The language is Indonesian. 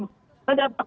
membunuh menangkap burung